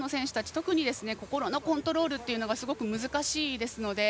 特に心のコントロールがすごく難しいので。